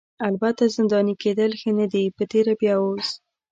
البته زنداني کیدل ښه نه دي په تېره بیا اوس.